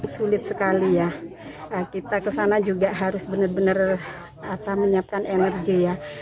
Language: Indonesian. sulit sekali ya kita kesana juga harus benar benar menyiapkan energi ya